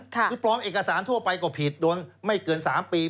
คือปลอมเอกสารทั่วไปก็ผิดโดนไม่เกิน๓ปี